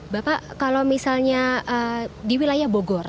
bapak kalau misalnya di wilayah bogor